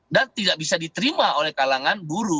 dan tidak bisa diterima oleh kalangan buruh